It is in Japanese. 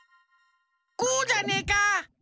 こうじゃねえか？